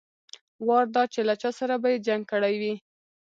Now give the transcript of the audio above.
وار دا چې له چا سره به يې جنګ کړى وي.